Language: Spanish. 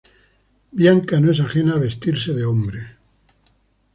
Bianca no es ajena a vestirse de hombre.